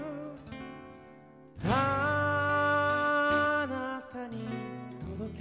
「あなたに届け」